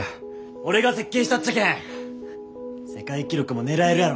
俺が設計したっちゃけん世界記録も狙えるやろ。